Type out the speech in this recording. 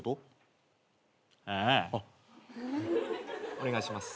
お願いします。